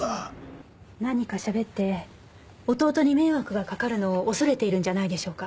何かしゃべって弟に迷惑がかかるのを恐れているんじゃないでしょうか。